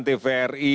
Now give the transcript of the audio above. dan juga secara rutin